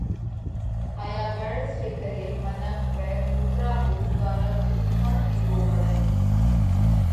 هائيا غرض ري ڪري منک رئہ ڪُوترا رو اُوڳارل ۮُوڌ پڻ پِيوو پڙئه۔